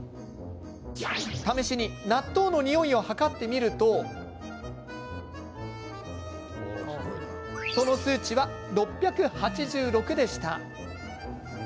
試しに納豆のにおいを測ってみるとその数値は６８６でした。